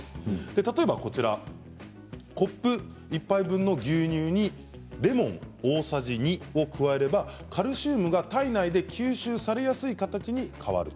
例えば、コップ１杯分の牛乳にレモンを大さじ２を加えればカルシウムが体内で吸収されやすい形に変わると。